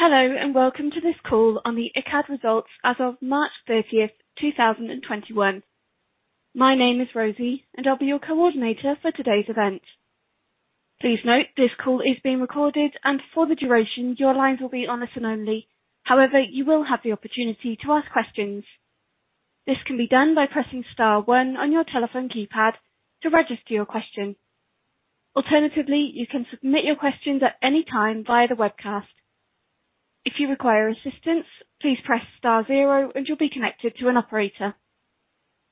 Hello, and welcome to this call on the Icade results as of March 30th, 2021. My name is Rosie, and I'll be your coordinator for today's event. Please note this call is being recorded, and for the duration, your lines will be on listen only. However, you will have the opportunity to ask questions. This can be done by pressing star one on your telephone keypad to register your question. Alternatively, you can submit your questions at any time via the webcast. If you require assistance, please press star zero and you'll be connected to an operator.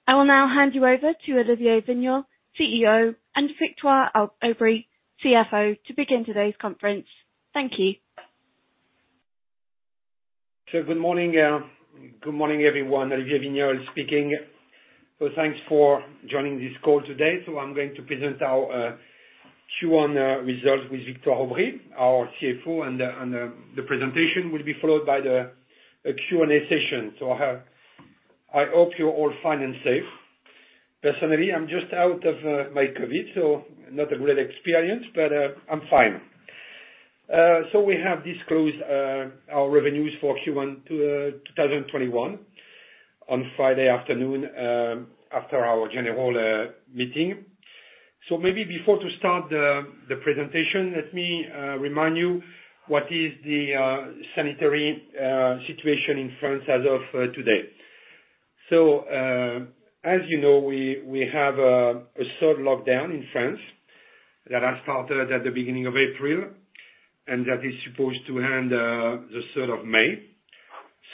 I will now hand you over to Olivier Wigniolle, CEO, and Victoire Aubry, CFO, to begin today's conference. Thank you. Good morning. Good morning, everyone. Olivier Wigniolle speaking. Thanks for joining this call today. I'm going to present our Q1 results with Victoire Aubry, our CFO, and the presentation will be followed by the Q&A session. I hope you're all fine and safe. Personally, I'm just out of my COVID-19, so not a great experience, but I'm fine. We have disclosed our revenues for Q1 2021 on Friday afternoon, after our general meeting. Maybe before to start the presentation, let me remind you what is the sanitary situation in France as of today. As you know, we have a third lockdown in France that has started at the beginning of April, and that is supposed to end the 3rd of May,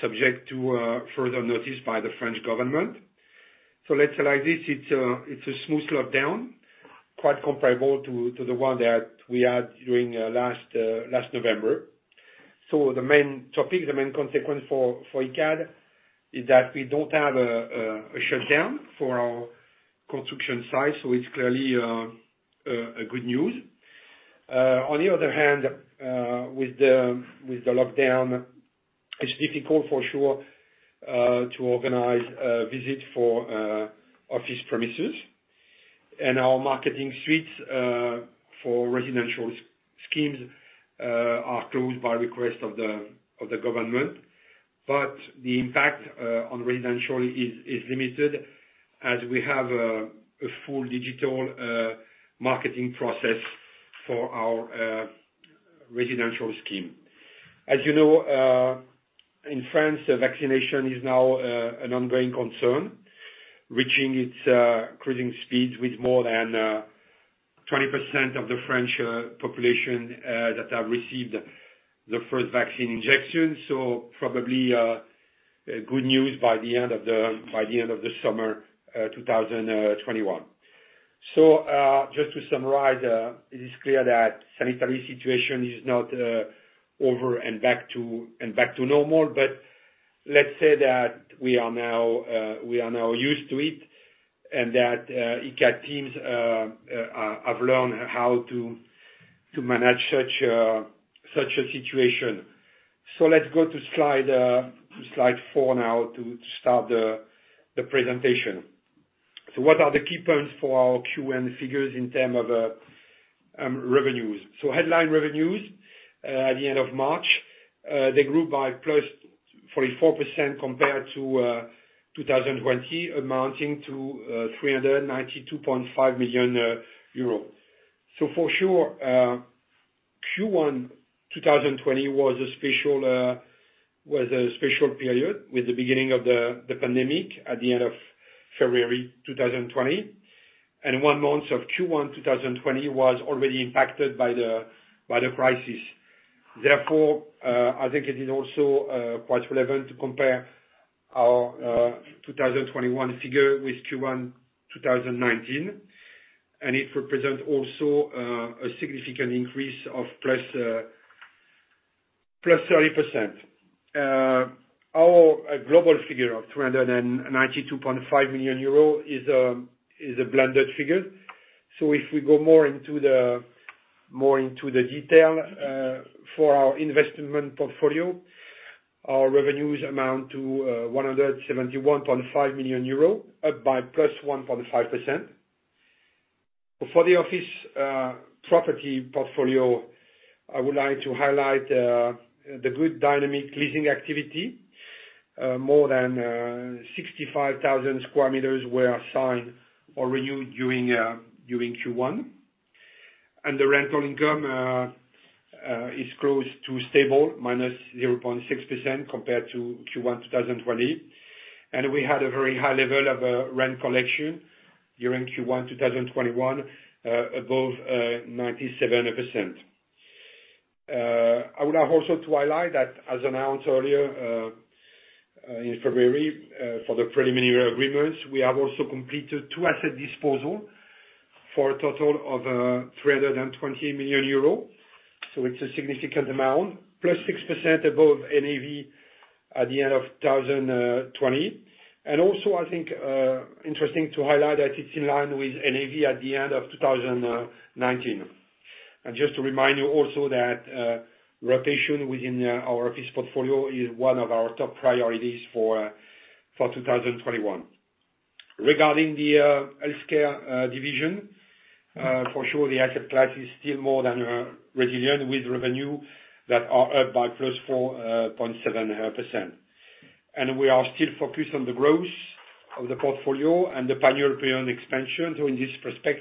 subject to further notice by the French government. Let's say like this, it's a smooth lockdown, quite comparable to the one that we had during last November. The main topic, the main consequence for Icade is that we don't have a shutdown for our construction site, so it's clearly a good news. On the other hand, with the lockdown, it's difficult for sure to organize a visit for office premises. Our marketing suites for residential schemes are closed by request of the government. The impact on residential is limited as we have a full digital marketing process for our residential scheme. As you know, in France, vaccination is now an ongoing concern, reaching its cruising speed with more than 20% of the French population that have received the first vaccine injection. Probably, good news by the end of the summer 2021. Just to summarize, it is clear that sanitary situation is not over and back to normal, but let's say that we are now used to it, and that Icade teams have learned how to manage such a situation. Let's go to slide four now to start the presentation. What are the key points for our Q1 figures in term of revenues? Headline revenues at the end of March, they grew by +44% compared to 2020, amounting to 392.5 million euro. For sure, Q1 2020 was a special period with the beginning of the pandemic at the end of February 2020, and one month of Q1 2020 was already impacted by the crisis. Therefore, I think it is also quite relevant to compare our 2021 figure with Q1 2019, and it represents also a significant increase of +30%. Our global figure of 392.5 million euro is a blended figure. If we go more into the detail, for our investment portfolio, our revenues amount to 171.5 million euro, up by +1.5%. For the office property portfolio, I would like to highlight the good dynamic leasing activity. More than 65,000 sq m were signed or renewed during Q1. The rental income is close to stable, -0.6% compared to Q1 2020. We had a very high level of rent collection during Q1 2021, above 97%. I would like also to highlight that, as announced earlier, in February, for the preliminary agreements, we have also completed two asset disposal for a total of 320 million euro, so it's a significant amount, plus 6% above NAV at the end of 2020. Also, I think, interesting to highlight that it's in line with NAV at the end of 2019. Just to remind you also that rotation within our office portfolio is one of our top priorities for 2021. Regarding the healthcare division, for sure, the asset class is still more than resilient with revenue that are up by +4.7%. We are still focused on the growth of the portfolio and the pan-European expansion. In this respect,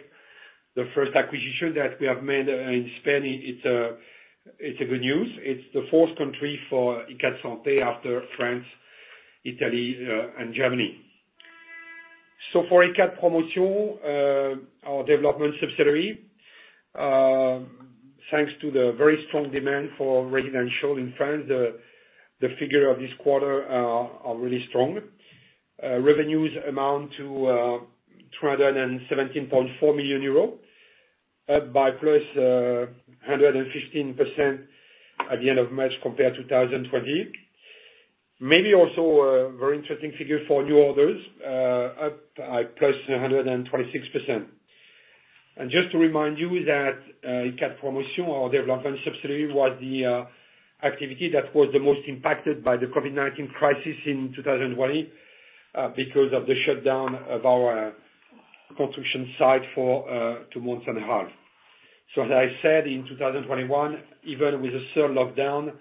the first acquisition that we have made in Spain, it's a good news. It's the fourth country for Icade Santé after France, Italy, and Germany. For Icade Promotion, our development subsidiary, thanks to the very strong demand for residential in France, the figure of this quarter are really strong. Revenues amount to 317.4 million euro, up by +115% at the end of March compared to 2020. Maybe also a very interesting figure for new orders, up by +126%. Just to remind you that Icade Promotion, our development subsidiary, was the activity that was the most impacted by the COVID-19 crisis in 2020, because of the shutdown of our construction site for two months and a half. As I said, in 2021, even with a third lockdown,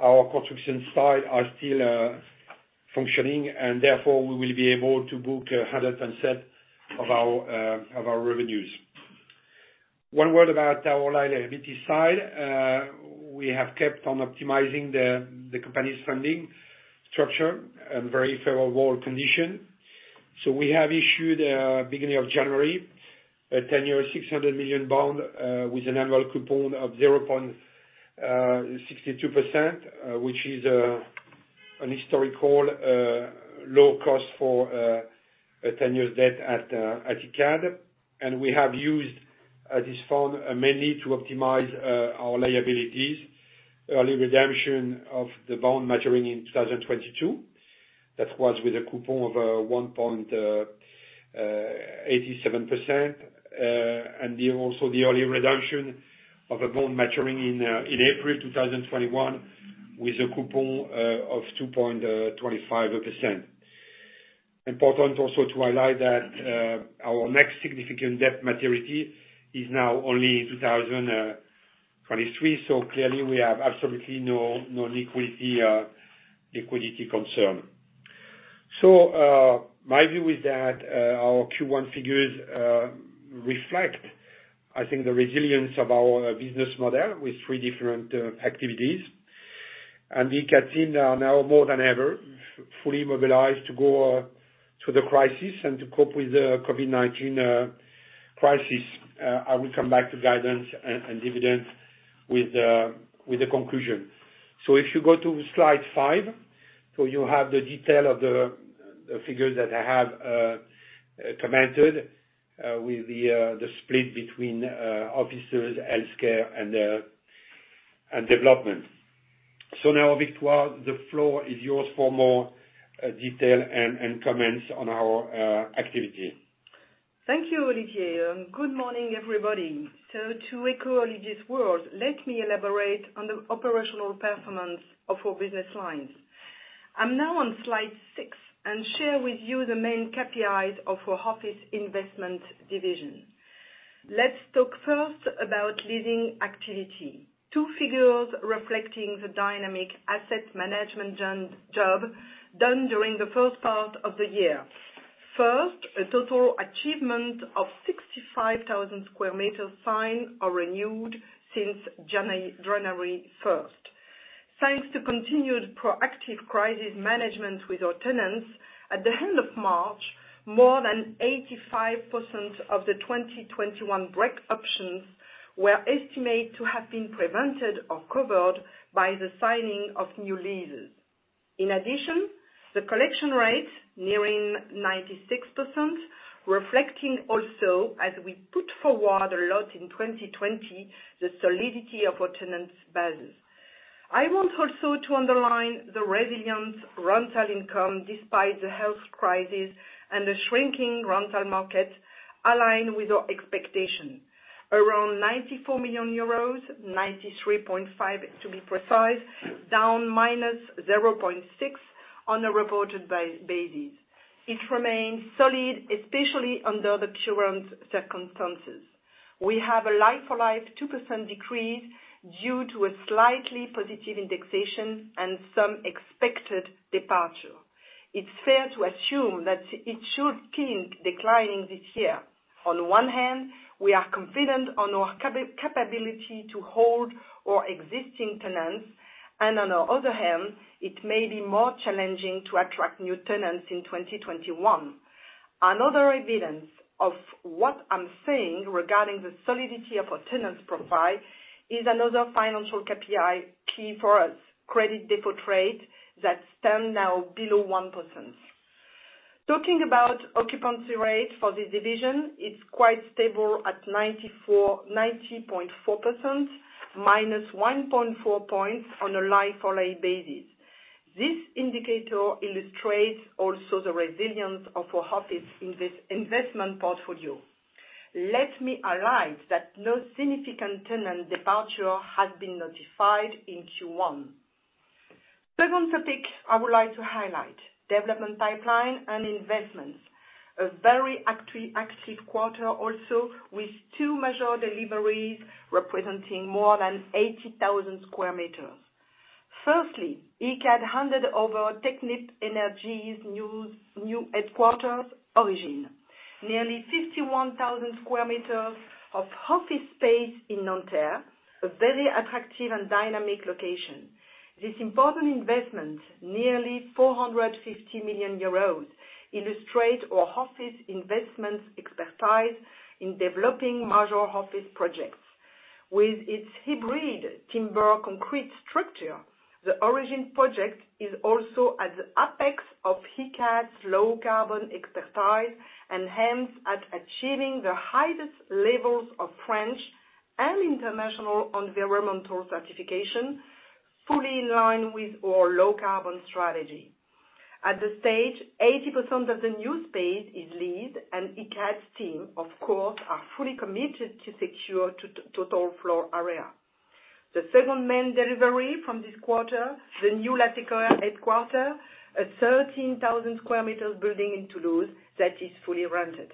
our construction site are still functioning, and therefore we will be able to book 100% of our revenues. One word about our liability side. We have kept on optimizing the company's funding structure in very favorable condition. We have issued, beginning of January, a 10-year, 600 million bond, with an annual coupon of 0.62%, which is an historical low cost for a 10-year debt at Icade. We have used this fund mainly to optimize our liabilities, early redemption of the bond maturing in 2022. That was with a coupon of 1.87%. Also the early redemption of a bond maturing in April 2021 with a coupon of 2.25%. Important also to highlight that our next significant debt maturity is now only in 2023, so clearly, we have absolutely no liquidity concern. My view is that our Q1 figures reflect, I think, the resilience of our business model with three different activities. Icade are now, more than ever, fully mobilized to go to the crisis and to cope with the COVID-19 crisis. I will come back to guidance and dividends with the conclusion. If you go to slide five, so you have the detail of the figures that I have commented, with the split between offices, healthcare, and development. Now, Victoire, the floor is yours for more detail and comments on our activities. Thank you, Olivier. Good morning, everybody. To echo Olivier's words, let me elaborate on the operational performance of our business lines. I'm now on slide six and share with you the main KPIs of our office investment division. Let's talk first about leasing activity. Two figures reflecting the dynamic asset management job done during the first part of the year. First, a total achievement of 65,000 sq m signed or renewed since January 1st. Thanks to continued proactive crisis management with our tenants, at the end of March, more than 85% of the 2021 break options were estimated to have been prevented or covered by the signing of new leases. In addition, the collection rate, nearing 96%, reflecting also, as we put forward a lot in 2020, the solidity of our tenants base. I want also to underline the resilient rental income despite the health crisis and the shrinking rental market align with our expectation. Around 94 million euros, 93.5 to be precise, down -0.6% on a reported basis. It remains solid, especially under the current circumstances. We have a like-for-like 2% decrease due to a slightly positive indexation and some expected departure. It's fair to assume that it should keep declining this year. On one hand, we are confident on our capability to hold our existing tenants, and on the other hand, it may be more challenging to attract new tenants in 2021. Another evidence of what I'm saying regarding the solidity of our tenants profile is another financial KPI key for us, credit default rate that stand now below 1%. Talking about occupancy rate for this division, it's quite stable at 90.4%, -1.4 points on a like-for-like basis. This indicator illustrates also the resilience of our office investment portfolio. Let me highlight that no significant tenant departure has been notified in Q1. Second topic I would like to highlight, development pipeline and investments. A very active quarter also with two major deliveries representing more than 80,000 sq m. Firstly, Icade handed over Technip Energies' new headquarters, Origine. Nearly 51,000 sq m of office space in Nanterre, a very attractive and dynamic location. This important investment, nearly 450 million euros, illustrate our office investment expertise in developing major office projects. With its hybrid timber concrete structure, the Origine project is also at the apex of Icade's Low Carbon expertise, and hence at achieving the highest levels of French and international environmental certification, fully in line with our Low Carbon strategy. At this stage, 80% of the new space is leased, and Icade's team, of course, are fully committed to secure total floor area. The second main delivery from this quarter, the new Latécoère headquarter, a 13,000 sq m building in Toulouse that is fully rented.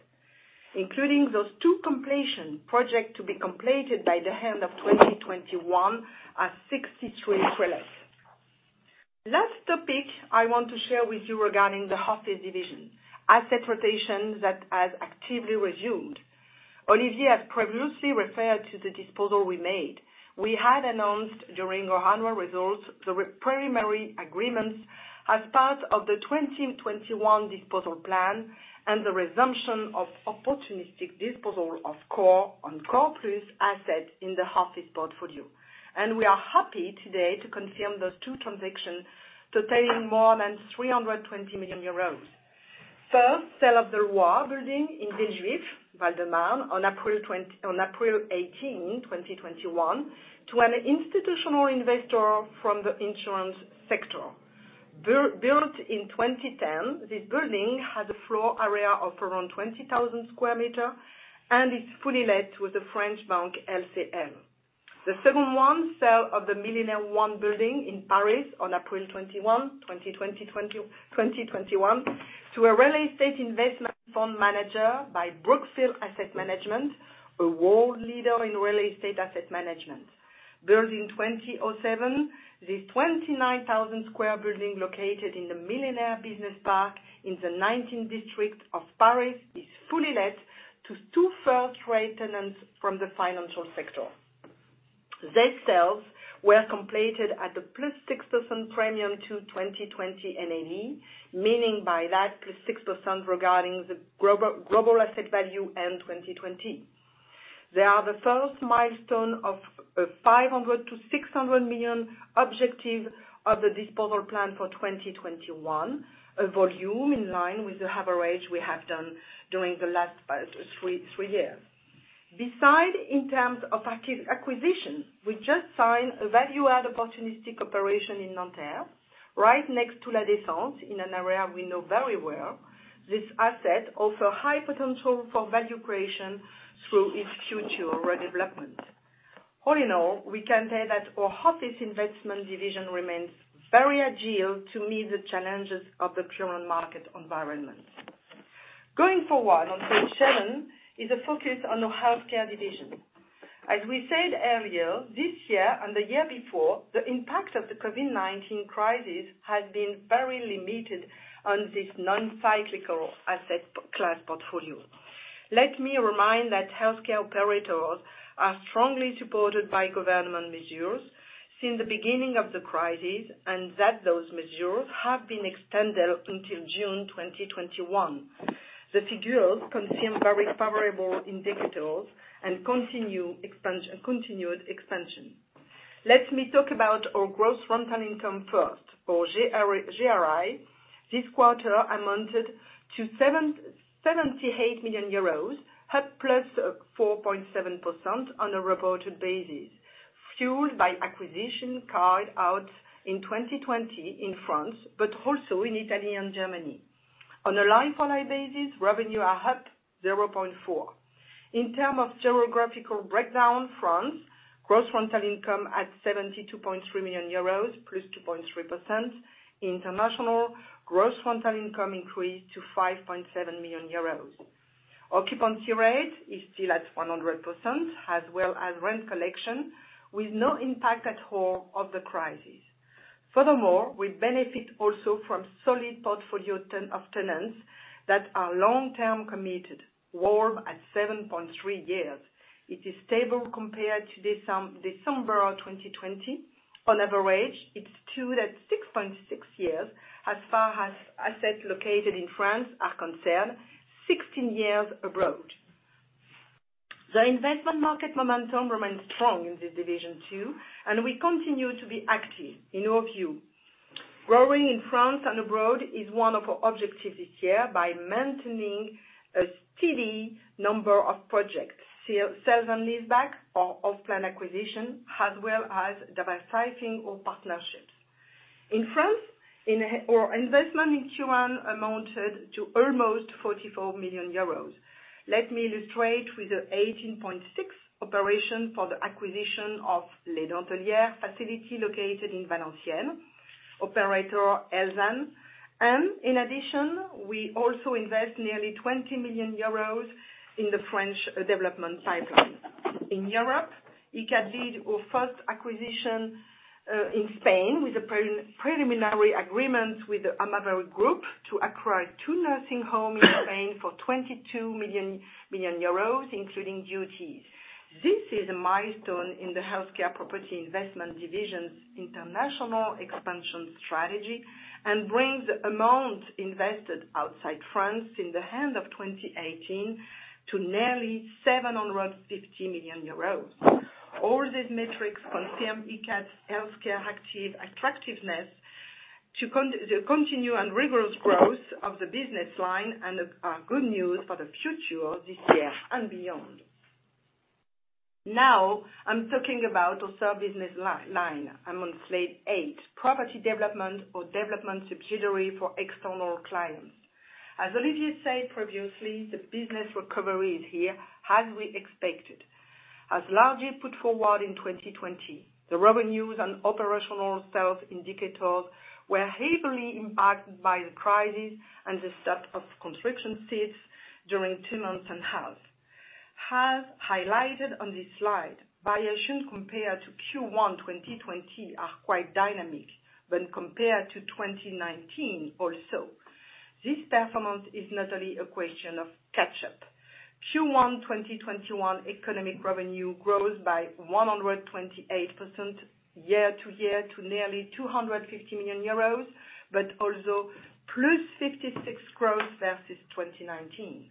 Including those two completion projects to be completed by the end of 2021, are 63 Elix. Last topic I want to share with you regarding the office division, asset rotation that has actively resumed. Olivier has previously referred to the disposal we made. We had announced during our annual results the preliminary agreements as part of the 2021 disposal plan and the resumption of opportunistic disposal of core and core plus assets in the office portfolio. We are happy today to confirm those two transactions totaling more than 320 million euros. First, sale of the Le Loire building in Villejuif, Val de Marne, on April 18, 2021, to an institutional investor from the insurance sector. Built in 2010, this building has a floor area of around 20,000 sq m and is fully let with the French bank LCL. The second one, sale of the Millénaire 1 building in Paris on April 21, 2021, to a real estate investment fund manager by Brookfield Asset Management, a world leader in real estate asset management. Built in 2007, this 29,000 sq m building located in the Millénaire business park in the 19th district of Paris, is fully let to two first-rate tenants from the financial sector. These sales were completed at the +6% premium to 2020 NAV. Meaning by that, +6% regarding the global asset value end 2020. They are the first milestone of a 500 million-600 million objective of the disposal plan for 2021, a volume in line with the average we have done during the last three years. Besides, in terms of active acquisition, we just signed a value add opportunistic operation in Nanterre, right next to La Défense in an area we know very well. This asset offer high potential for value creation through its future redevelopment. All in all, we can say that our office investment division remains very agile to meet the challenges of the current market environment. Going forward on page seven is a focus on the healthcare division. As we said earlier, this year and the year before, the impact of the COVID-19 crisis has been very limited on this non-cyclical asset class portfolio. Let me remind that healthcare operators are strongly supported by government measures since the beginning of the crisis, and that those measures have been extended until June 2021. The figures confirm very favorable indicators and continued expansion. Let me talk about our gross rental income first. Our GRI this quarter amounted to 78 million euros, up +4.7% on a reported basis, fueled by acquisition carried out in 2020 in France, but also in Italy and Germany. On a like-for-like basis, revenue are up 0.4%. In term of geographical breakdown, France gross rental income at 72.3 million euros, +2.3%. International gross rental income increased to 5.7 million euros. Occupancy rate is still at 100%, as well as rent collection, with no impact at all of the crisis. Furthermore, we benefit also from solid portfolio of tenants that are long-term committed, WALT at 7.3 years. It is stable compared to December of 2020. On average, it's 26.6 years as far as assets located in France are concerned, 16 years abroad. The investment market momentum remains strong in this division too, and we continue to be active in our view. Growing in France and abroad is one of our objectives this year by maintaining a steady number of projects, sales and leaseback or off-plan acquisition, as well as diversifying our partnerships. In France, our investment in Q1 amounted to almost 44 million euros. Let me illustrate with the 18.6 operation for the acquisition of Les Dentellières facility located in Valenciennes, operator Elsan. In addition, we also invest nearly 20 million euros in the French development cycle. In Europe, Icade did our first acquisition in Spain with a preliminary agreement with the Amavir Group to acquire two nursing homes in Spain for 22 million euros, including duties. This is a milestone in the healthcare property investment division's international expansion strategy and brings amounts invested outside France in the end of 2018 to nearly 750 million euros. All these metrics confirm Icade's healthcare attractiveness to the continued and rigorous growth of the business line, and are good news for the future this year and beyond. I'm talking about our third business line. I'm on slide eight, property development or development subsidiary for external clients. As Olivier said previously, the business recovery is here as we expected. As largely put forward in 2020, the revenues and operational sales indicators were heavily impacted by the crisis and the stop of construction sites during two months and half. As highlighted on this slide, variation compared to Q1 2020 are quite dynamic when compared to 2019 also. This performance is not only a question of catch-up. Q1 2021 economic revenue grows by 128% year-to-year to nearly 250 million euros, but also +56% growth versus 2019.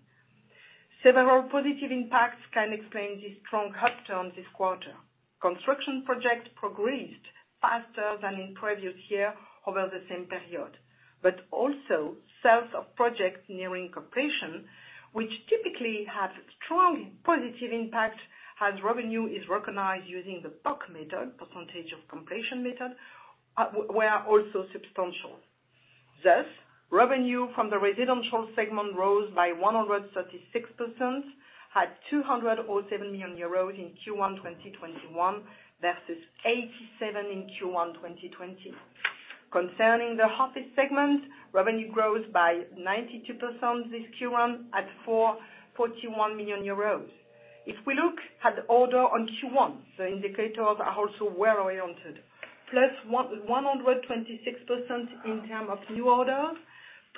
Several positive impacts can explain this strong upturn this quarter. Construction projects progressed faster than in previous year over the same period, but also sales of projects nearing completion, which typically have strong positive impact as revenue is recognized using the POC method, Percentage of Completion method, were also substantial. Thus, revenue from the residential segment rose by 136%, at 207 million euros in Q1 2021 versus 87 million in Q1 2020. Concerning the office segment, revenue grows by 92% this Q1 at 441 million euros. If we look at the order on Q1, the indicators are also well-oriented, +126% in terms of new order,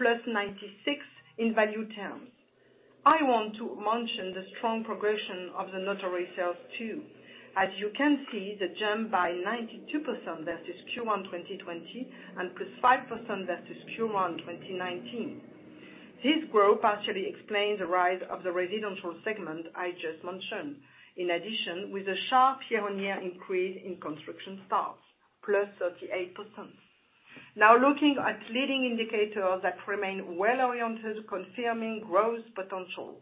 +96% in value terms. I want to mention the strong progression of the notary sales too. As you can see, the jump by 92% versus Q1 2020 and +5% versus Q1 2019. This growth partially explains the rise of the residential segment I just mentioned. In addition, with a sharp year-on-year increase in construction starts, +38%. Looking at leading indicators that remain well-oriented, confirming growth potential.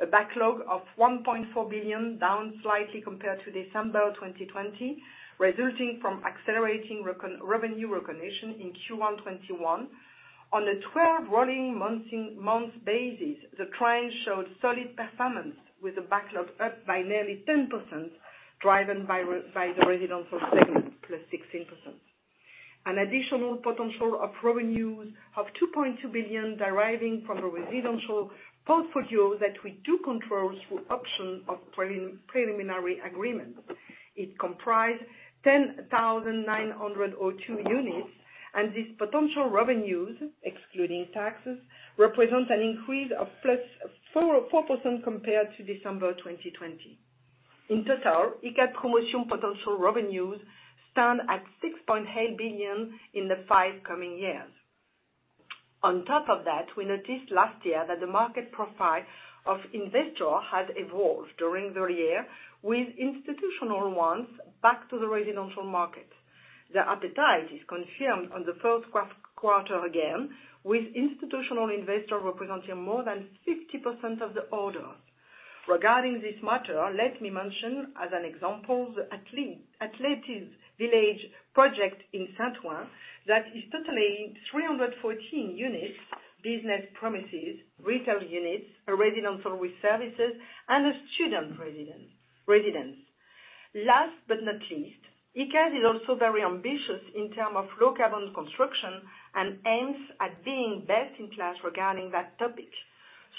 A backlog of 1.4 billion, down slightly compared to December 2020, resulting from accelerating revenue recognition in Q1 2021. On a 12 rolling months basis, the trend showed solid performance with a backlog up by nearly 10%, driven by the residential segment, +16%. An additional potential of revenues of 2.2 billion deriving from a residential portfolio that we do control through option of preliminary agreement. It comprise 10,902 units. These potential revenues, excluding taxes, represent an increase of +4% compared to December 2020. In total, Icade Promotion potential revenues stand at 6.8 billion in the five coming years. On top of that, we noticed last year that the market profile of investor has evolved during the year with institutional ones back to the residential market. The appetite is confirmed on the first quarter again, with institutional investor representing more than 50% of the orders. Regarding this matter, let me mention as an example, the Athletes Village project in Saint-Ouen that is totally 314 units, business premises, retail units, a residential with services, and a student residence. Last but not least, Icade is also very ambitious in term of low-carbon construction and aims at being best in class regarding that topic.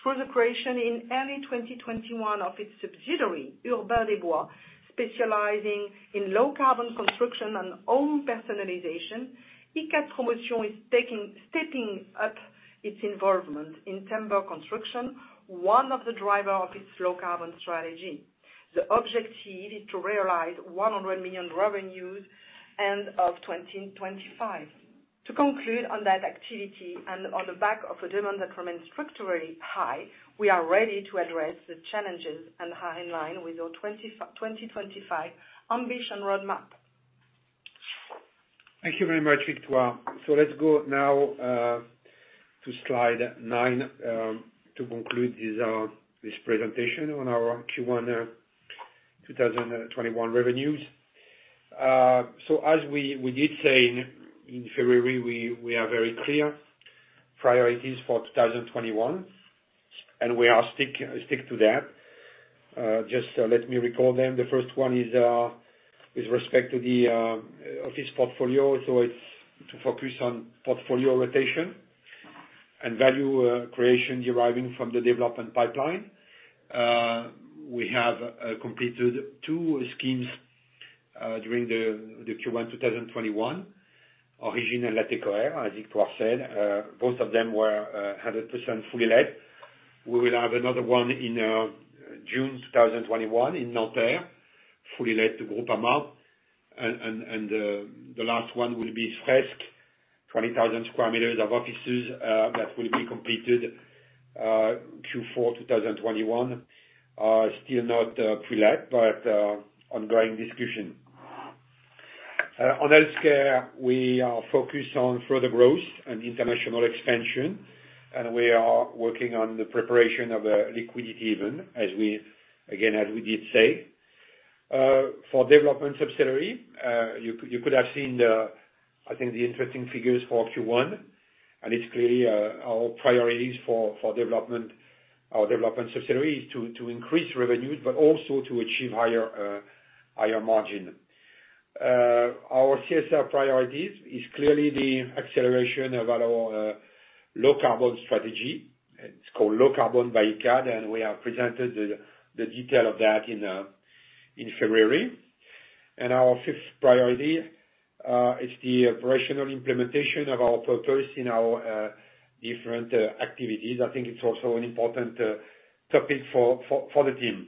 Through the creation in early 2021 of its subsidiary, Urbain des Bois, specializing in low-carbon construction and home personalization, Icade Promotion is stepping up its involvement in timber construction, one of the driver of its low-carbon strategy. The objective is to realize 100 million revenues end of 2025. To conclude on that activity and on the back of a demand that remains structurally high, we are ready to address the challenges and are in line with our 2025 ambition roadmap. Thank you very much, Victoire. Let's go now to slide nine to conclude this presentation on our Q1 results, 2021 revenues. As we did say in February, we are very clear priorities for 2021, and we are stick to that. Just let me recall them. The first one is with respect to the office portfolio. It's to focus on portfolio rotation and value creation deriving from the development pipeline. We have completed two schemes during the Q1 2021, Origine and Latecoère, as Victoire said. Both of them were 100% fully let. We will have another one in June 2021 in Nanterre, fully let to Groupama. The last one will be Fresk, 20,000 sq m of offices, that will be completed Q4 2021. Still not pre-let, ongoing discussion. On healthcare, we are focused on further growth and international expansion, and we are working on the preparation of a liquidity event, again, as we did say. For development subsidiary, you could have seen, I think, the interesting figures for Q1. It's clearly our priorities for our development subsidiary, is to increase revenues, but also to achieve higher margin. Our CSR priorities is clearly the acceleration of our low-carbon strategy. It's called Low Carbon by Icade, and we have presented the detail of that in February. Our fifth priority is the operational implementation of our purpose in our different activities. I think it's also an important topic for the team.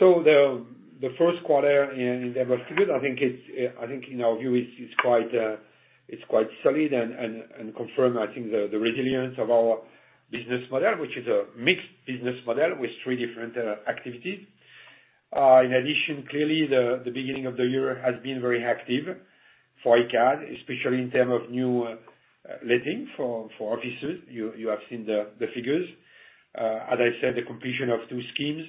The first quarter in diversity, I think in our view it's quite solid and confirm, I think the resilience of our business model, which is a mixed business model with three different activities. In addition, clearly the beginning of the year has been very active for Icade, especially in terms of new letting for offices. You have seen the figures. As I said, the completion of two schemes,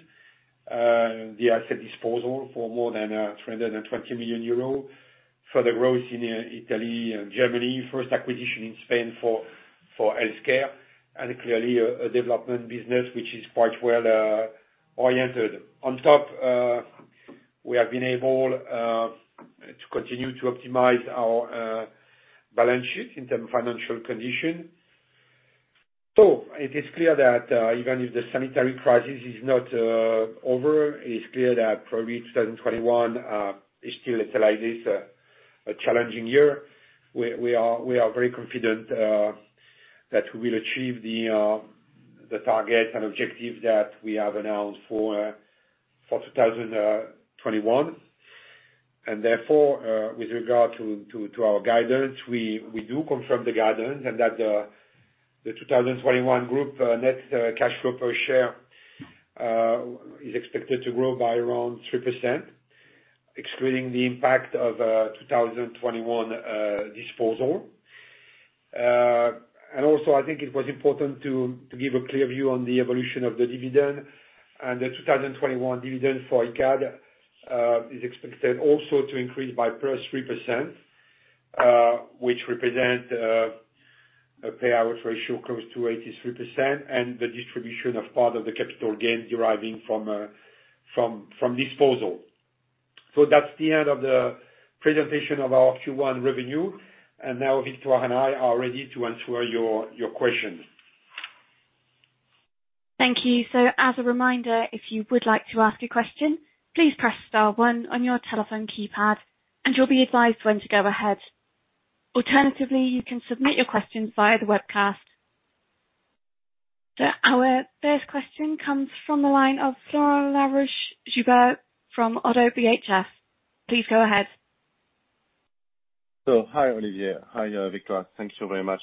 the asset disposal for more than 320 million euro, further growth in Italy and Germany, first acquisition in Spain for healthcare, and clearly a development business which is quite well oriented. On top, we have been able to continue to optimize our balance sheet in terms of financial condition. It is clear that even if the sanitary crisis is not over, it is clear that probably 2021 is still, it's like this, a challenging year. We are very confident that we will achieve the target and objective that we have announced for 2021. With regard to our guidance, we do confirm the guidance and that the 2021 group net cash flow per share is expected to grow by around 3%, excluding the impact of 2021 disposal. I think it was important to give a clear view on the evolution of the dividend. The 2021 dividend for Icade is expected also to increase by +3%, which represent a payout ratio close to 83%, and the distribution of part of the capital gain deriving from disposal. That's the end of the presentation of our Q1 revenue. Now Victoire and I are ready to answer your questions. Thank you. As a reminder, if you would like to ask a question, please press star one on your telephone keypad and you'll be advised when to go ahead. Alternatively, you can submit your question via the webcast. Our first question comes from the line of Florent Laroche-Joubert from ODDO BHF. Please go ahead. Hi Olivier Wigniolle, hi Victoire Aubry. Thank you very much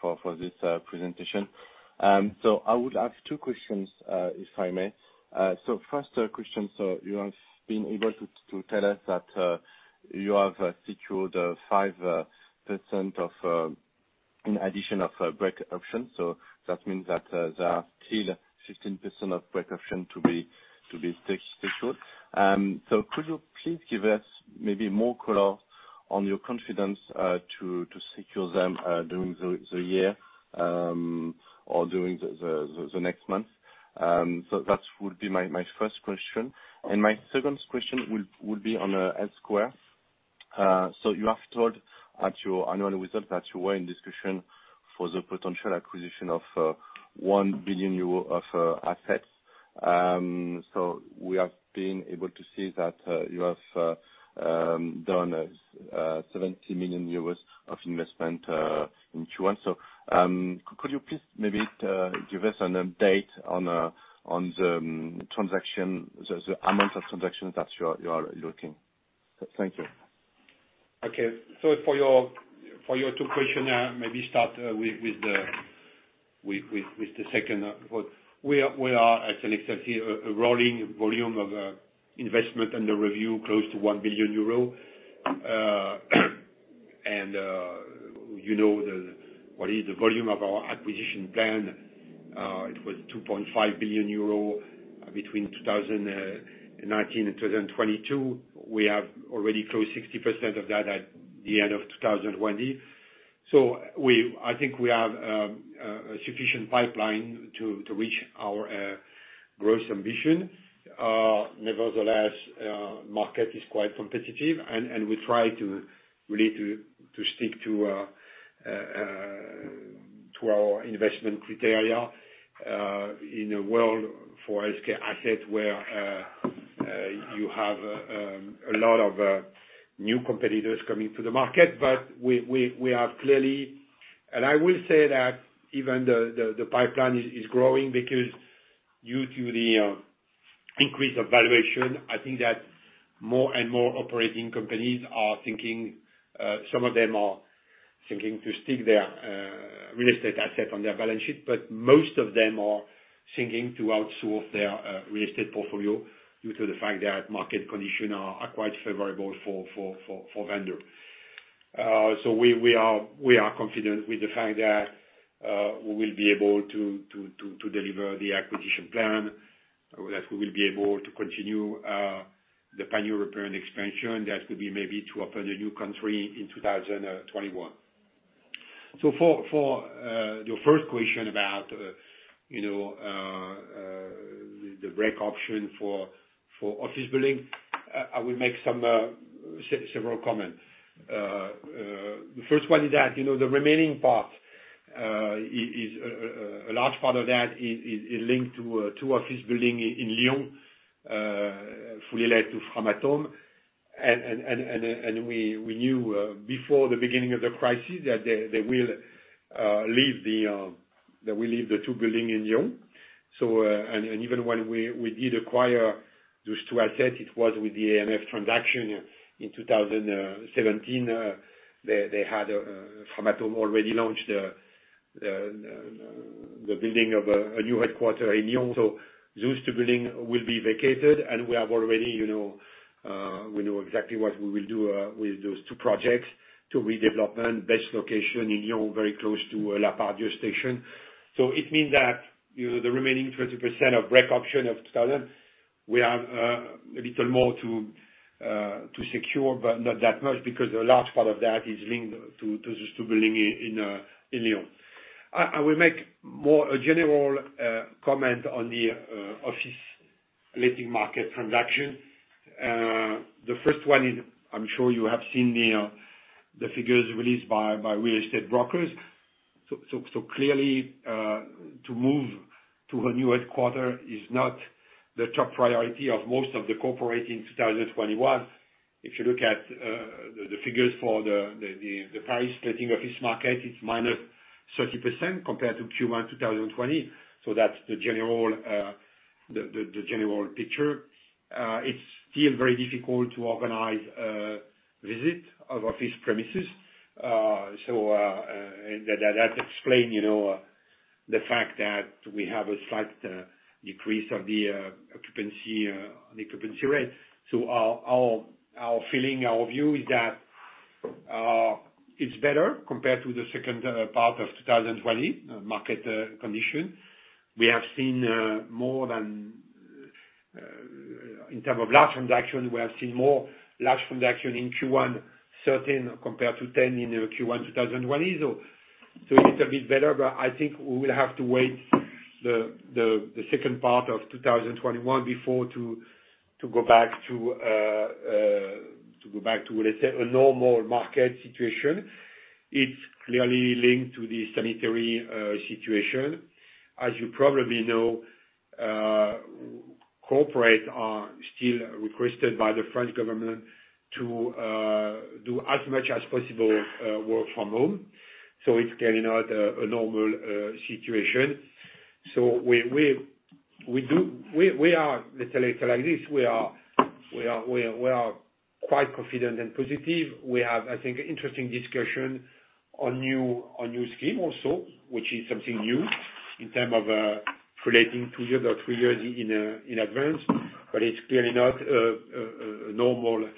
for this presentation. I would ask two questions, if I may. First question, you have been able to tell us that you have secured 5% of an addition of break option. That means that there are still 15% of break option to be secured. Could you please give us maybe more color on your confidence to secure them during the year, or during the next month? That would be my first question. My second question would be on Icade Santé. You have told at your annual results that you were in discussion for the potential acquisition of 1 billion euro of assets. We have been able to see that you have done 70 million euros of investment in Q1. Could you please maybe give us an update on the amount of transactions that you are looking? Thank you. Okay. For your two question, maybe start with the second. We are at an extensive, a rolling volume of investment under review, close to 1 billion euro. You know what is the volume of our acquisition plan. It was 2.5 billion euro between 2019 and 2022. We have already closed 60% of that at the end of 2020. I think we have a sufficient pipeline to reach our growth ambition. Nevertheless, market is quite competitive, and we try to really stick to our investment criteria, in a world for asset where you have a lot of new competitors coming to the market. I will say that even the pipeline is growing because due to the increase of valuation, I think that more and more operating companies, some of them are thinking to stick their real estate asset on their balance sheet. Most of them are thinking to outsource their real estate portfolio due to the fact that market condition are quite favorable for vendor. We are confident with the fact that we will be able to deliver the acquisition plan, that we will be able to continue the pan-European expansion. That could be maybe to open a new country in 2021. For your first question about the break option for office building, I will make several comments. The first one is that the remaining part, a large part of that is linked to two office building in Lyon, fully let to Framatome. We knew before the beginning of the crisis that they will leave the two building in Lyon. Even when we did acquire those two assets, it was with the ANF transaction in 2017. Framatome already launched the building of a new headquarter in Lyon. Those two building will be vacated, and we know exactly what we will do with those two projects, two redevelopment, best location in Lyon, very close to La Part-Dieu station. It means that the remaining 30% of break option of 2,000, we have a little more to secure, but not that much because a large part of that is linked to those two building in Lyon. I will make more a general comment on the office letting market transaction. The first one is, I am sure you have seen the figures released by real estate brokers. Clearly, to move to a new headquarter is not the top priority of most of the corporate in 2021. If you look at the figures for the price letting of this market, it is -30% compared to Q1 2020. That is the general picture. It's still very difficult to organize visit of office premises. That explain the fact that we have a slight decrease of the occupancy rate. Our feeling, our view is that it's better compared to the second part of 2020 market condition. In term of large transaction, we have seen more large transaction in Q1, 13 compared to 10 in Q1 2020. It's a bit better, but I think we will have to wait the second part of 2021 before to go back to, let's say, a normal market situation. It's clearly linked to the sanitary situation. As you probably know, corporate are still requested by the French government to do as much as possible work from home. It's clearly not a normal situation. We are, let's say like this, we are quite confident and positive. We have, I think, interesting discussion on new scheme also, which is something new in terms of relating two years or three years in advance. But it's clearly not a normal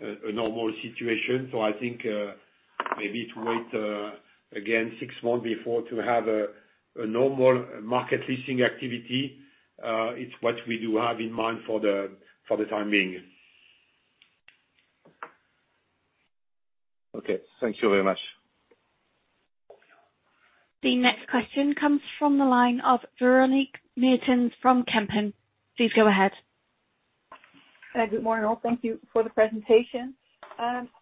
situation. So I think, maybe to wait, again, six months before to have a normal market leasing activity, it's what we do have in mind for the time being. Okay. Thank you very much. The next question comes from the line of Véronique Meertens from Kempen. Please go ahead. Good morning, all. Thank you for the presentation.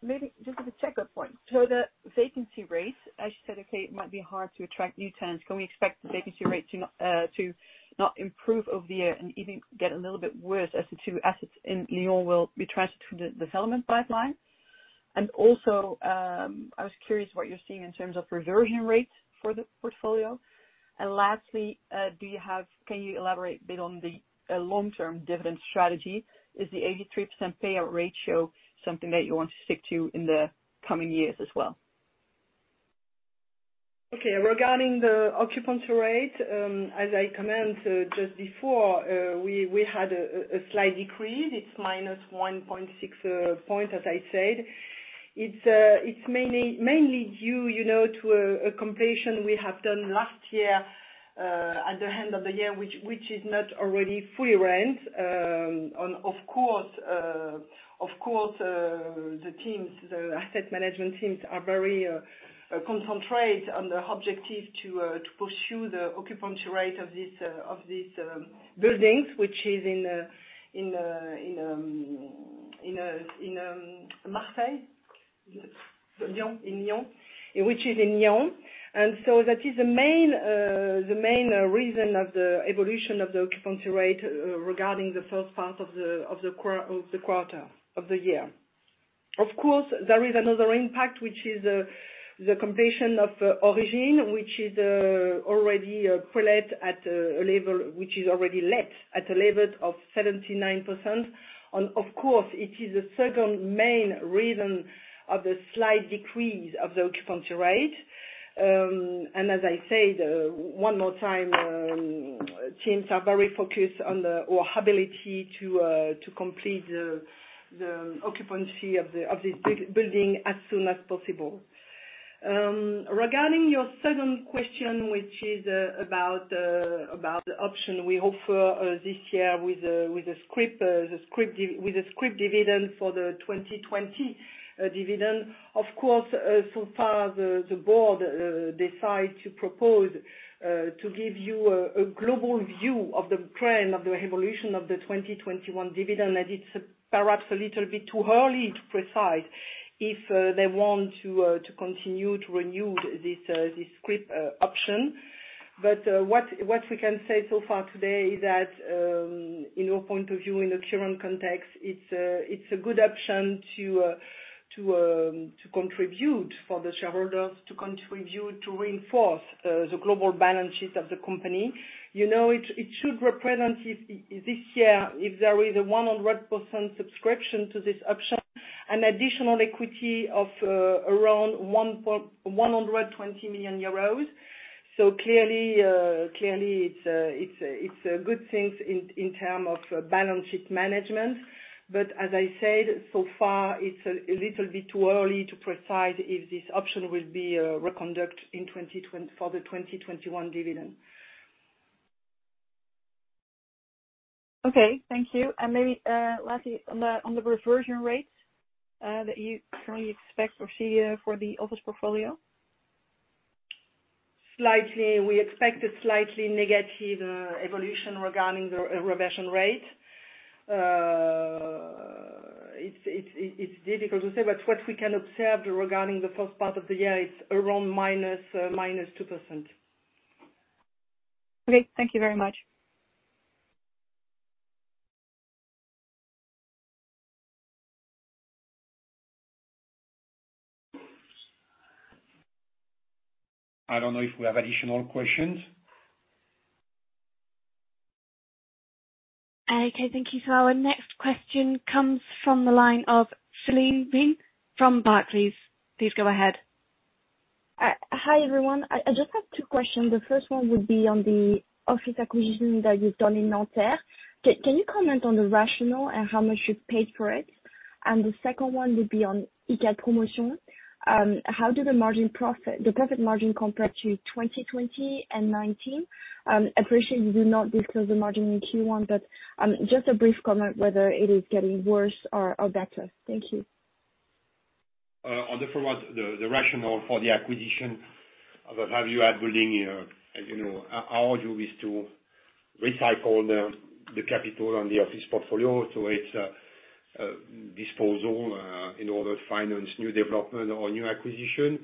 Maybe just as a checkup point. The vacancy rates, as you said, okay, it might be hard to attract new tenants. Can we expect the vacancy rate to not improve over here and even get a little bit worse as the two assets in Lyon will be transferred to the development pipeline? I was curious what you're seeing in terms of reversion rates for the portfolio. Lastly, can you elaborate a bit on the long-term dividend strategy? Is the 83% payout ratio something that you want to stick to in the coming years as well? Okay. Regarding the occupancy rate, as I commented just before, we had a slight decrease. It's minus 1.6 points, as I said. It's mainly due to a completion we have done last year at the end of the year, which is not already fully rented. Of course, the asset management teams are very concentrated on the objective to pursue the occupancy rate of these buildings, which is in Marseille? Lyon. In Lyon. Which is in Lyon. That is the main reason of the evolution of the occupancy rate regarding the first part of the year. Of course, there is another impact, which is the completion of Origine, which is already let at a level of 79%. Of course, it is the second main reason of the slight decrease of the occupancy rate. As I said, one more time, teams are very focused on our ability to complete the occupancy of this building as soon as possible. Regarding your second question, which is about the option we offer this year with a scrip dividend for the 2020 dividend. Of course, so far the board decide to propose to give you a global view of the trend of the evolution of the 2021 dividend, that it's perhaps a little bit too early to precise if they want to continue to renew this scrip option. What we can say so far today is that, in our point of view, in the current context, it's a good option to contribute for the shareholders, to contribute to reinforce the global balance sheet of the company. It should represent this year, if there is 100% subscription to this option, an additional equity of around 120 million euros. Clearly, it's a good thing in term of balance sheet management. As I said, so far, it's a little bit too early to precise if this option will be reconduct for the 2021 dividend. Okay, thank you. Maybe, lastly, on the reversion rates that you currently expect or see for the office portfolio. We expect a slightly negative evolution regarding the reversion rate. It's difficult to say, what we can observe regarding the first part of the year, it's around minus 2%. Okay, thank you very much. I don't know if we have additional questions. Okay, thank you. Our next question comes from the line of Céline Soo-Huynh from Barclays. Please go ahead. Hi, everyone. I just have two questions. The first one would be on the office acquisition that you've done in Nanterre. Can you comment on the rationale and how much you've paid for it? The second one would be on Icade Promotion. How did the profit margin compare to 2020 and 2019? Appreciate you do not disclose the margin in Q1, but just a brief comment whether it is getting worse or better. Thank you. On the first one, the rationale for the acquisition of a value-add building. Our job is to recycle the capital on the office portfolio, so it's disposal in order to finance new development or new acquisition.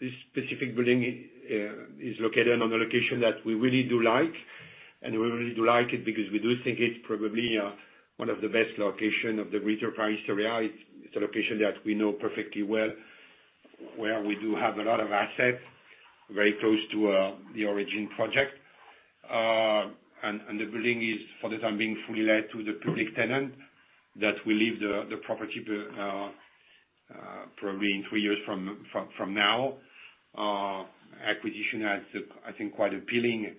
This specific building is located on a location that we really do like, and we really do like it because we do think it's probably one of the best location of the greater Paris area. It's a location that we know perfectly well, where we do have a lot of assets, very close to the Origine project. The building is, for the time being, fully let to the public tenant that will leave the property probably in three years from now. Acquisition has, I think, quite appealing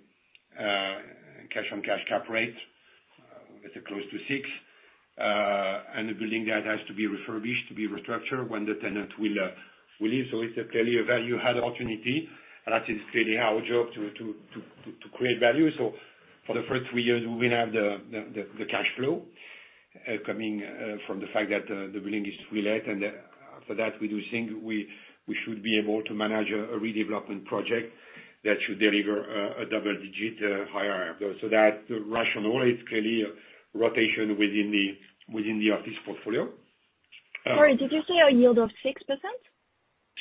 cash-on-cash cap rate. It's close to six. A building that has to be refurbished to be restructured when the tenant will leave. It's clearly a value-add opportunity. That is clearly our job, to create value. For the first three years, we will have the cash flow coming from the fact that the building is relet, and for that, we do think we should be able to manage a redevelopment project that should deliver a double-digit IRR. That rationale is clearly a rotation within the office portfolio. Sorry, did you say a yield of 6%?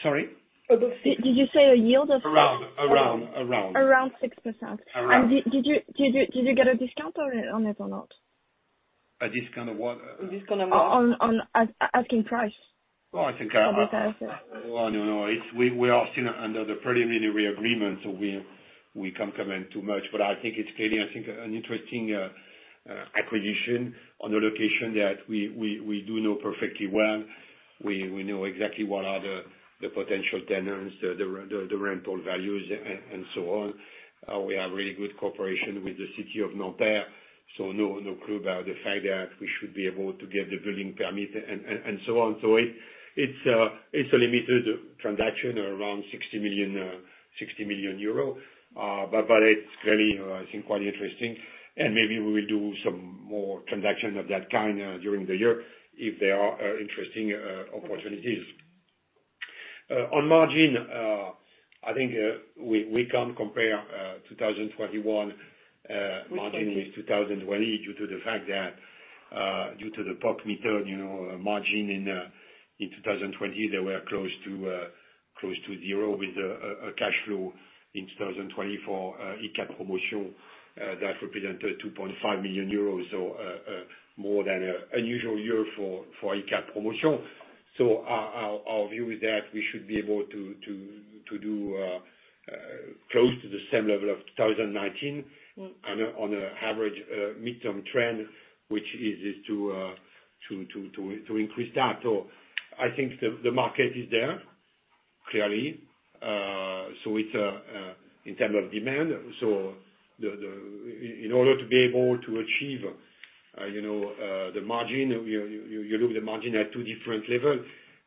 Sorry? Did you say a yield of six- Around. Around 6%. Around. Did you get a discount on it or not? A discount on what? A discount on what? On asking price. Well, I think- For this asset. We are still under the preliminary agreement. We can't comment too much. I think it's clearly an interesting acquisition on a location that we do know perfectly well. We know exactly what are the potential tenants, the rental values, and so on. We have really good cooperation with the city of Nanterre. No clue about the fact that we should be able to get the building permit and so on. It's a limited transaction around 60 million euro. It's really, I think, quite interesting, and maybe we will do some more transactions of that kind during the year if there are interesting opportunities. On margin, I think we can't compare 2021 margin. Which one? With 2020 due to the fact that, due to the POC method, margin in 2020, they were close to zero with a cashflow in 2020 for Icade Promotion that represented 2.5 million euros. More than unusual year for Icade Promotion. Our view is that we should be able to do close to the same level of 2019. on an average midterm trend, which is to increase that. I think the market is there, clearly, in terms of demand. In order to be able to achieve the margin, you look the margin at two different level.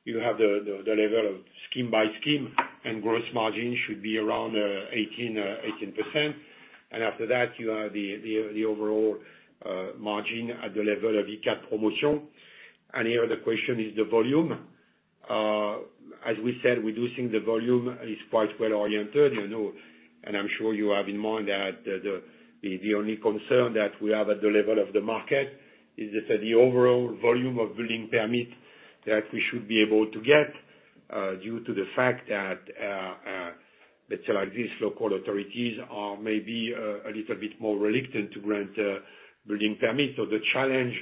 You have the level of scheme by scheme and gross margin should be around 18%. After that, you have the overall margin at the level of Icade Promotion. Here, the question is the volume. As we said, reducing the volume is quite well oriented. I'm sure you have in mind that the only concern that we have at the level of the market is that the overall volume of building permit that we should be able to get, due to the fact that, let's say like these local authorities are maybe a little bit more reluctant to grant building permit. The challenge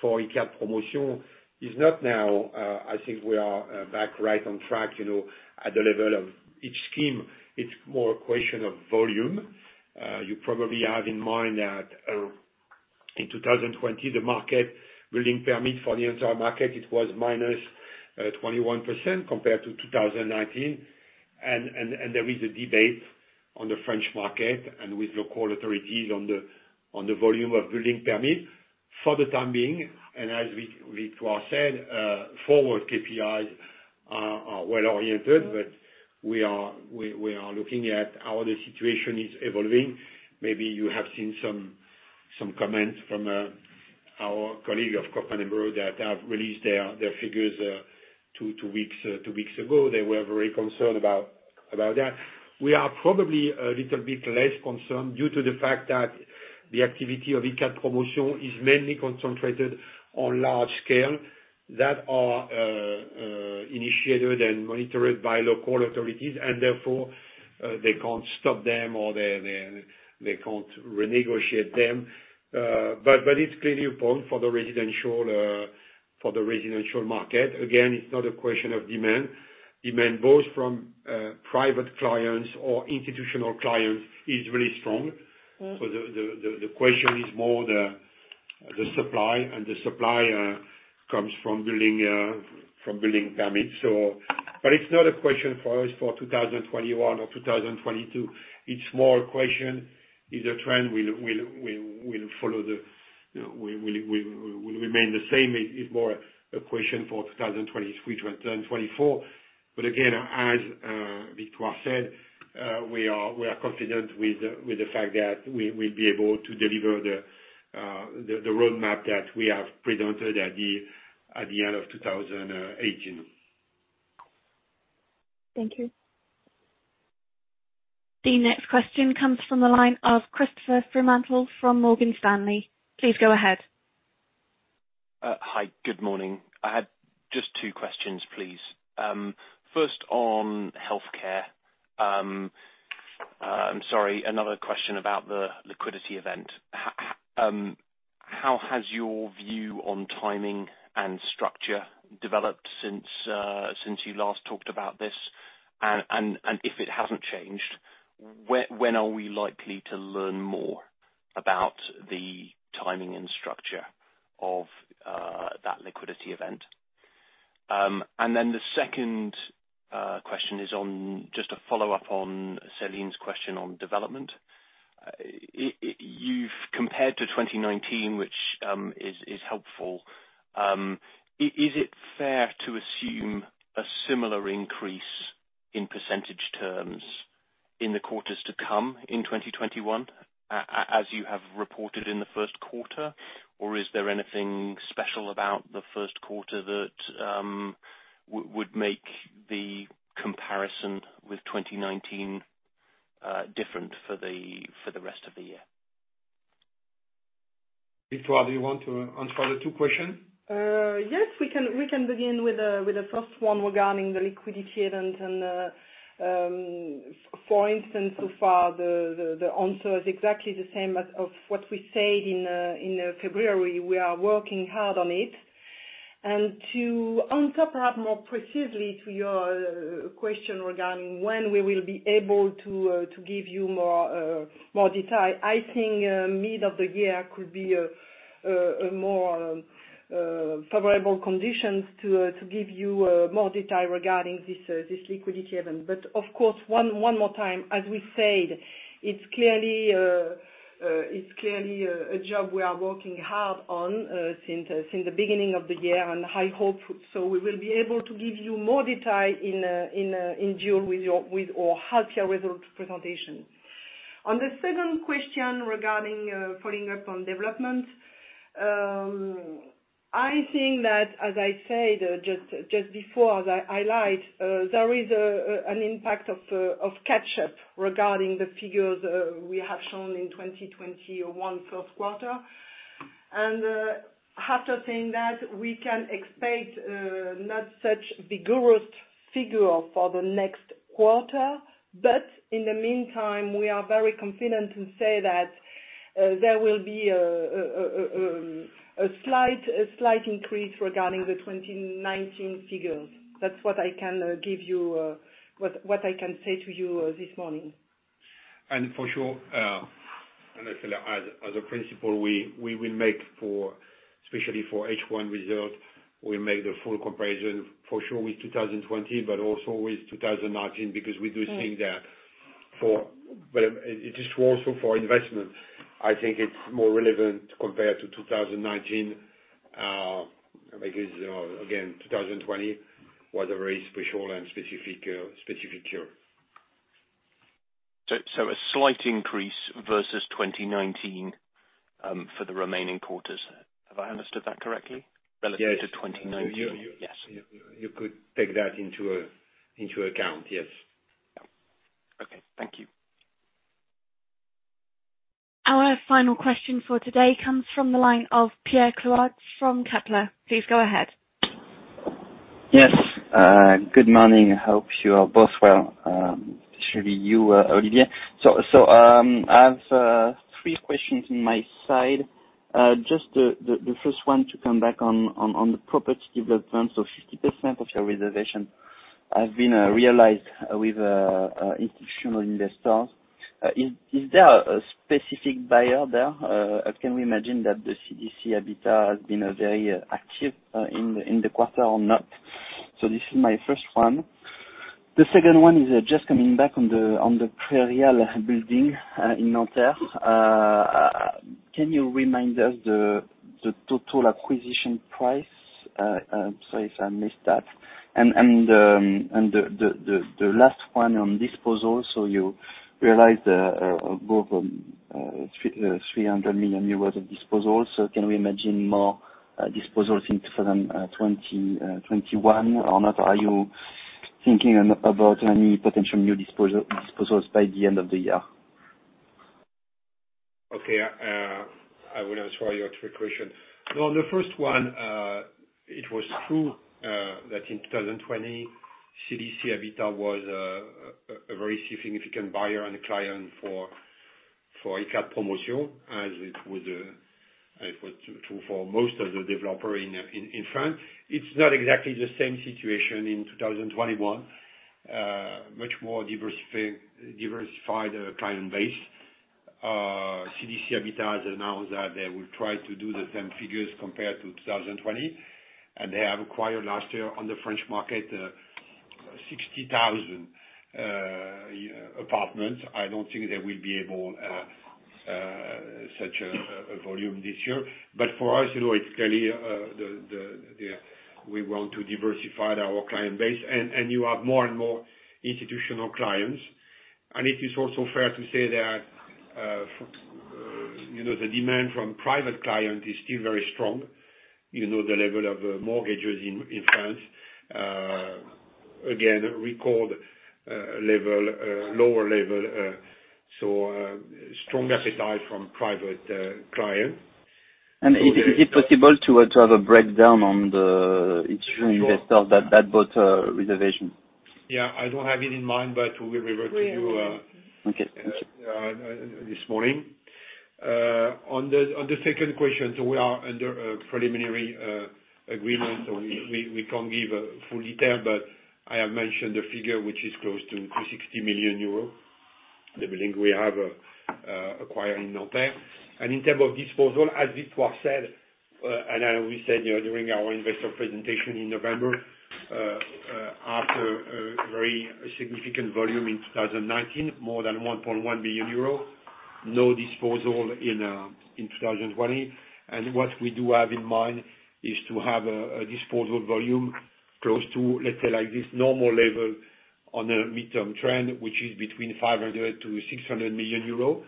for Icade Promotion is not now. I think we are back right on track, at the level of each scheme. It's more a question of volume. You probably have in mind that in 2020, the market building permit for the entire market, it was minus 21% compared to 2019. There is a debate on the French market and with local authorities on the volume of building permit. For the time being, as Victoire said, forward KPIs are well-oriented. We are looking at how the situation is evolving. Maybe you have seen some comments from our colleague of Cogedim & Bouygues that have released their figures two weeks ago. They were very concerned about that. We are probably a little bit less concerned due to the fact that the activity of Icade Promotion is mainly concentrated on large scale that are initiated and monitored by local authorities, and therefore, they can't stop them or they can't renegotiate them. It's clearly a point for the residential market. Again, it's not a question of demand. Demand both from private clients or institutional clients is really strong. The question is more the supply, and the supply comes from building permits. It's not a question for us for 2021 or 2022. It's more a question, is a trend will remain the same? It's more a question for 2023, 2024. Again, as Victoire said, we are confident with the fact that we'll be able to deliver the roadmap that we have presented at the end of 2018. Thank you. The next question comes from the line of Christopher Fremantle from Morgan Stanley. Please go ahead. Hi. Good morning. I had just two questions, please. First on healthcare. I'm sorry, another question about the liquidity event. How has your view on timing and structure developed since you last talked about this? If it hasn't changed, when are we likely to learn more about the timing and structure of that liquidity event? Then the second question is just a follow-up on Celine's question on development. You've compared to 2019, which is helpful. Is it fair to assume a similar increase in percentage terms in the quarters to come in 2021, as you have reported in the first quarter? Is there anything special about the first quarter that would make the comparison with 2019 different for the rest of the year? Victoire, do you want to answer the two question? Yes, we can begin with the first one regarding the liquidity event. For instance, so far, the answer is exactly the same as of what we said in February. We are working hard on it. To answer perhaps more precisely to your question regarding when we will be able to give you more detail, I think mid of the year could be a more favorable condition to give you more detail regarding this liquidity event. Of course, one more time, as we said, it's clearly a job we are working hard on since the beginning of the year, and I hope so we will be able to give you more detail in June with the half-year results presentation. On the second question regarding following up on development, I think that, as I said just before, as I highlight, there is an impact of catch-up regarding the figures we have shown in 2021 first quarter. After saying that, we can expect not such vigorous figure for the next quarter. In the meantime, we are very confident to say that there will be a slight increase regarding the 2019 figures. That's what I can say to you this morning. For sure, as a principle, we will make, especially for H1 results, we make the full comparison for sure with 2020, but also with 2019, because we do think that it is also for investment. I think it's more relevant to compare to 2019, because, again, 2020 was a very special and specific year. A slight increase versus 2019, for the remaining quarters. Have I understood that correctly? Yes. Relative to 2019. Yes. You could take that into account. Yes. Okay. Thank you. Our final question for today comes from the line of Pierre Cloarec from Kepler. Please go ahead. Yes, good morning. I hope you are both well, especially you, Olivier. I have three questions on my side. Just the first one to come back on the property development. 50% of your reservation has been realized with institutional investors. Is there a specific buyer there? Can we imagine that the CDC Habitat has been very active in the quarter or not? This is my first one. The second one is just coming back on the Prairial building in Nanterre. Can you remind us the total acquisition price? Sorry if I missed that. The last one on disposal. You realized above 300 million euros of disposal. Can we imagine more disposals in 2021 or not? Are you thinking about any potential new disposals by the end of the year? I will answer your three questions. On the first one, it was true that in 2020, CDC Habitat was a very significant buyer and a client for Icade Promotion, as it was true for most of the developers in France. It's not exactly the same situation in 2021. Much more diversified client base. CDC Habitat has announced that they will try to do the same figures compared to 2020, and they have acquired last year on the French market, 60,000 apartments. I don't think they will be able such a volume this year. For us, it's clearly we want to diversify our client base, and you have more and more institutional clients. It is also fair to say that the demand from private clients is still very strong. You know the level of mortgages in France. Again, record low level, so strong appetite from private clients. Is it possible to have a breakdown on the institutional investor that bought reservation? Yeah. I don't have it in mind, but we will revert to you. We will. Okay. Thank you. This morning. On the second question, we are under a preliminary agreement, we can't give full detail, but I have mentioned the figure, which is close to 60 million euros, the building we have acquired in Nanterre. In term of disposal, as Victoire said, and as we said during our investor presentation in November, after a very significant volume in 2019, more than 1.1 billion euro, no disposal in 2020. What we do have in mind is to have a disposal volume close to, let's say, like this normal level on a midterm trend, which is between 500 million-600 million euros.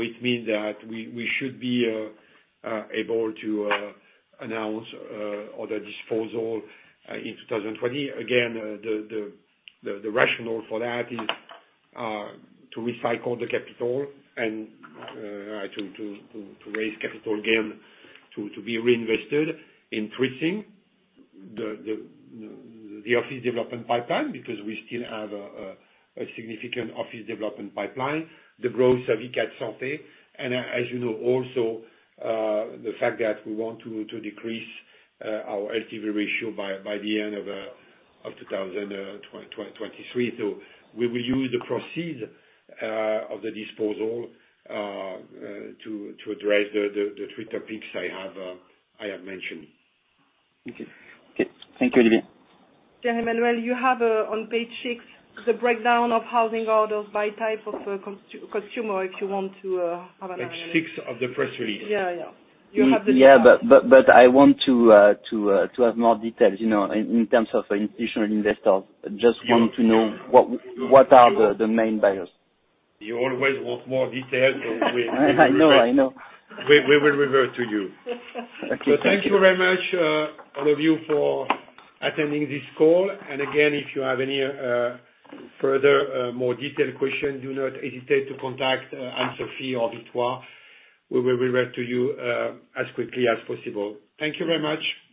It means that we should be able to announce other disposal in 2020. Again, the rationale for that is to recycle the capital and to raise capital again, to be reinvested, increasing the office development pipeline because we still have a significant office development pipeline. The growth of Icade Santé, and as you know, also, the fact that we want to decrease our LTV ratio by the end of 2023. We will use the proceeds of the disposal to address the three topics I have mentioned. Okay. Thank you, Olivier. Jeremy, you have on page six the breakdown of housing orders by type of consumer, if you want to have a look. Page six of the press release. Yeah. You have. Yeah, I want to have more details in terms of institutional investors. Just want to know what are the main buyers. You always want more details. I know. We will revert to you. Okay. Thank you. Thank you very much all of you for attending this call. Again, if you have any further, more detailed question, do not hesitate to contact Anne-Sophie or Victoire. We will revert to you as quickly as possible. Thank you very much.